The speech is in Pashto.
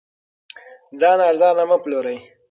ځان ارزانه مه پلورئ.